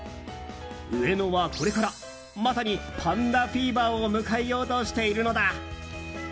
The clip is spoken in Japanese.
上野は、これからまさにパンダフィーバーを迎えようとしているのだ。